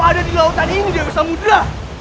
kau ada di lautan ini dewi semudera